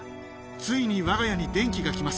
ついに、わが家に電気がきます。